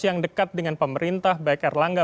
yang dekat dengan pemerintah baik erlangga